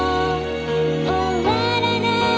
「終わらない物語」